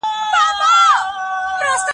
غلام د خپل رب شکر ادا کړ.